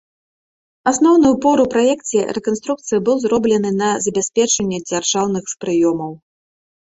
Асноўны ўпор у праекце рэканструкцыі быў зроблены на забеспячэнне дзяржаўных прыёмаў.